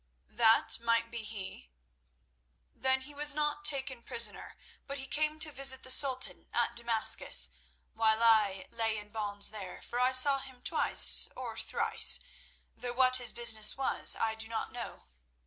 "That might be he." "Then he was not taken prisoner, but he came to visit the Sultan at Damascus while I lay in bonds there, for I saw him twice or thrice, though what his business was I do not know.